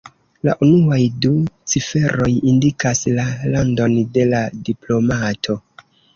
La unuaj du ciferoj indikas la landon de la diplomato.